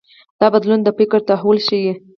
دا بدلون د فکر تحول ښيي.